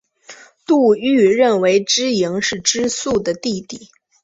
杜预认为知盈是知朔的弟弟。